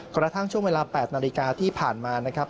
กระทั่งช่วงเวลา๘นาฬิกาที่ผ่านมานะครับ